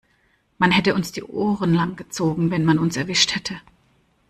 Man hätte uns die Ohren lang gezogen, wenn man uns erwischt hätte.